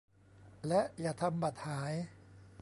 และอย่าทำบัตรหาย